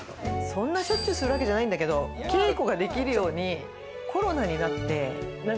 そんなしょっちゅうするわけじゃないんだけど稽古ができるように。